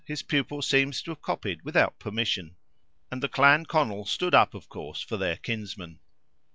his pupil seems to have copied without permission,) and the Clan Conal stood up, of course, for their kinsman.